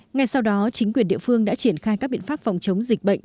ngay sau đó chính quyền địa phương đã triển khai các biện pháp phòng chống dịch bệnh